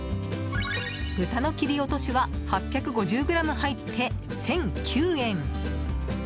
豚の切り落としは８５０ｇ入って１００９円。